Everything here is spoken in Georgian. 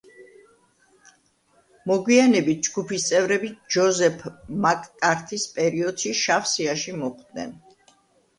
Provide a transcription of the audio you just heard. მოგვიანებით ჯგუფის წევრები ჯოზეფ მაკ-კართის პერიოდში შავ სიაში მოხვდნენ.